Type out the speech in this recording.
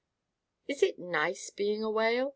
"Is it nice being a Whale?"